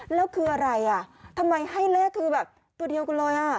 แล้วคืออะไรอ่ะทำไมให้เลขคือแบบตัวเดียวกันเลยอ่ะ